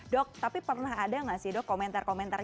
dok tapi pernah ada nggak sih dok komentar komentar